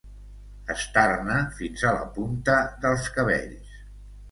Estar-ne fins a la punta dels cabells.